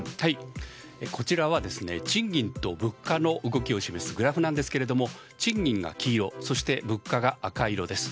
こちらは賃金と物価の動きを示すグラフですが賃金が黄色そして物価が赤色です。